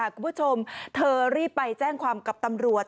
คุณผู้ชมเธอรีบไปแจ้งความกับตำรวจ